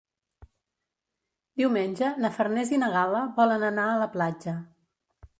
Diumenge na Farners i na Gal·la volen anar a la platja.